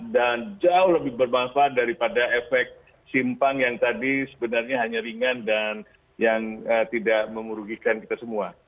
dan jauh lebih bermanfaat daripada efek simpang yang tadi sebenarnya hanya ringan dan yang tidak memurugikan kita semua